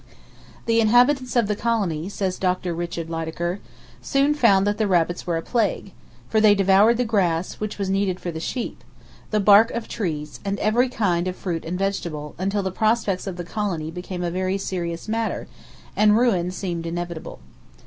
"The inhabitants of the colony," says Dr. Richard Lydekker, "soon found that the rabbits were a plague, for they devoured the grass, which was needed for the sheep, the bark of trees, and every kind of fruit and vegetable, until the prospects of the colony became a very serious matter, and ruin seemed inevitable.